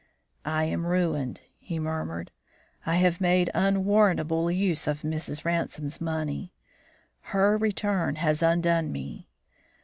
"I am ruined," he murmured. "I have made unwarrantable use of Mrs. Ransome's money; her return has undone me.